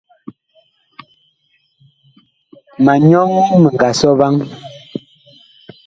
Ma nyɔŋ mi nga sɔ vaŋ.